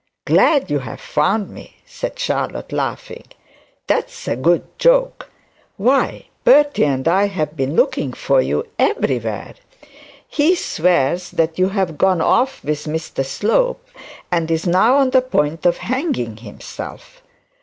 'Glad you have found me!' said Charlotte, laughing, 'that's a good joke. Why Bertie and I have been looking for you everywhere. He swears that you have gone off with Mr Slope, and is now on the point of hanging himself.'